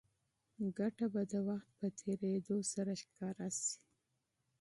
ګټه به د وخت په تېرېدو سره ښکاره شي.